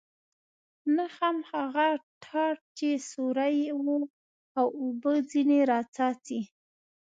نه هم هغه ټاټ چې سوری و او اوبه ځنې را څاڅي.